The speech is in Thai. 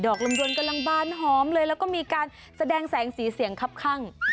ลำดวนกำลังบานหอมเลยแล้วก็มีการแสดงแสงสีเสียงครับข้าง